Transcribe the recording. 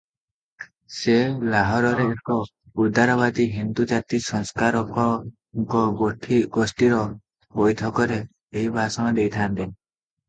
ସେ ଲାହୋରରେ ଏକ ଉଦାରବାଦୀ ହିନ୍ଦୁ ଜାତି-ସଂସ୍କାରକଙ୍କ ଗୋଷ୍ଠୀର ବୈଠକରେ ଏହି ଭାଷଣ ଦେଇଥାନ୍ତେ ।